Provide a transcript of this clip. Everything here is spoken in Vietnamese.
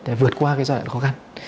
để vượt qua giai đoạn khó khăn